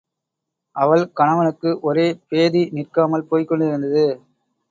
அவள் கணவனுக்கு ஒரே பேதி நிற்காமல் போய்க்கொண்டிருந்தது.